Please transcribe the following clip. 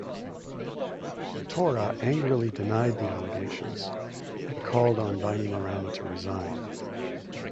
Tora angrily denied the allegations, and called on Bainimarama to resign.